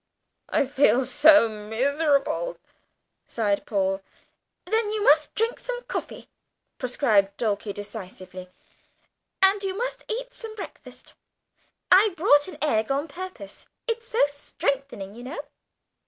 "I feel so miserable!" sighed Paul. "Then you must drink some coffee," prescribed Dulcie decidedly; "and you must eat some breakfast. I brought an egg on purpose; it's so strengthening, you know."